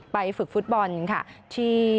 ไปฝึกฟุตบอลที่